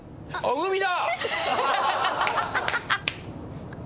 海だ！